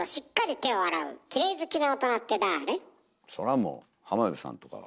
それはもう浜辺さんとかは。